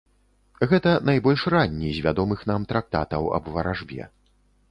Гэта найбольш ранні з вядомых нам трактатаў аб варажбе.